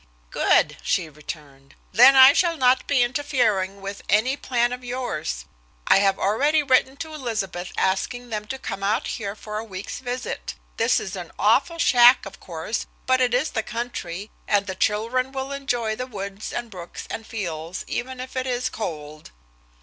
"Good," she returned. "Then I shall not be interfering with any plan of yours. I have already written to Elizabeth asking them to come out here for a week's visit. This is an awful shack, of course, but it is the country, and the children will enjoy the woods and brooks and fields, even if it is cold."